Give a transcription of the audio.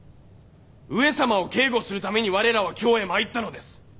上様を警護するために我らは京へ参ったのです。